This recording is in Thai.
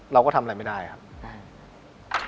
เราก็ทำอะไรไม่ได้ครับ